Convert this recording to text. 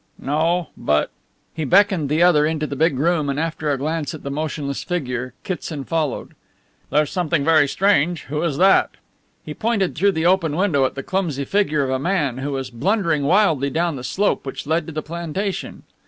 "No but " He beckoned the other into the big room and, after a glance at the motionless figure, Kitson followed. "There's something very strange who is that?" He pointed through the open window at the clumsy figure of a man who was blundering wildly down the slope which led to the plantation.